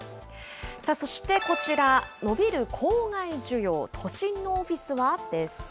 そしてこちら、伸びる郊外需要、都心のオフィスは？です。